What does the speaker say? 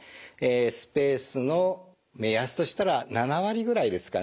スペースの目安としたら７割ぐらいですからね。